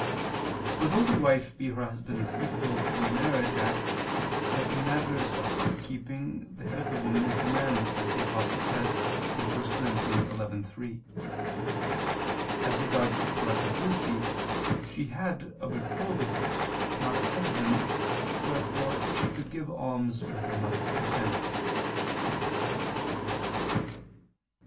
For though the wife be her husband's equal in the marriage act, yet in matters of housekeeping, the head of the woman is the man, as the Apostle says (1 Cor. 11:3). As regards Blessed Lucy, she had a betrothed, not a husband, wherefore she could give alms with her mother's consent.